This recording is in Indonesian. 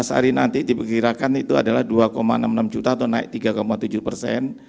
enam belas hari nanti diperkirakan itu adalah dua enam puluh enam juta atau naik tiga tujuh persen